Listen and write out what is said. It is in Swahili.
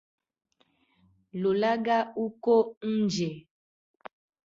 Lolaga uko nje.